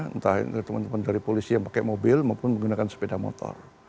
entah itu teman teman dari polisi yang pakai mobil maupun menggunakan sepeda motor